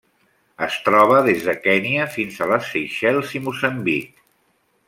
Es troba des de Kenya fins a les Seychelles i Moçambic.